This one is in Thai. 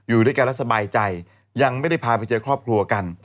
อยู่ด้วยกันแล้วสบายใจยังไม่ได้พาไปเจอครอบครัวกัน